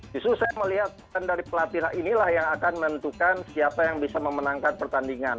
justru saya melihat dari pelatih inilah yang akan menentukan siapa yang bisa memenangkan pertandingan